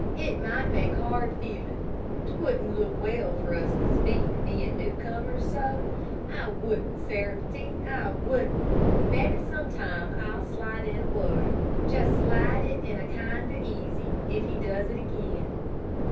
It might make hard feelin'. 'T wouldn't look well for us to speak, bein' newcomers so. I wouldn't, Sarepty, I wouldn't. Mebbe some time I'll slide in a word, just slide it in kinder easy, if he does it again."